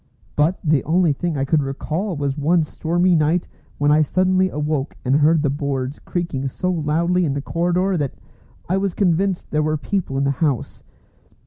But the only thing I could recall was one stormy night when I suddenly awoke and heard the boards creaking so loudly in the corridor that I was convinced there were people in the house.